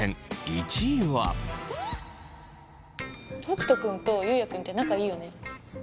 北斗君と優也君って仲いいよね。